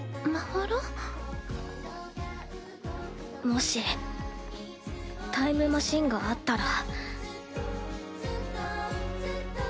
もしタイムマシンがあったら。